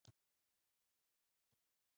د یفتلیانو واکمني د ترک او ساساني اتحاد ماته کړه